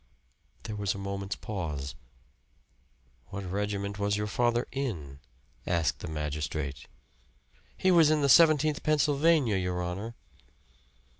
There was a moment's pause. "What regiment was your father in?" asked the magistrate. "He was in the Seventeenth Pennsylvania, your honor."